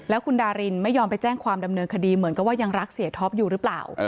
แล้วคุณดารินไม่ยอมไปแจ้งความดำเนินคดีเหมือนกับว่ายังรักเสียท็อปอยู่หรือเปล่า